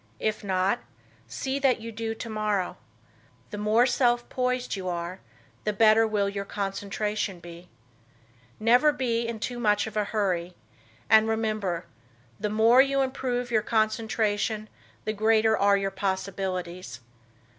If not, see that you do tomorrow. The more self poised you are the better will your concentration be. Never be in too much of a hurry; and, remember, the more you improve your concentration, the greater are your possibilities.